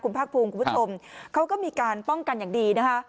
ภาคภูมิคุณผู้ชมเขาก็มีการป้องกันอย่างดีนะคะ